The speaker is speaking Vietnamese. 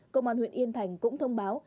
công an huyện yên thành cũng thông báo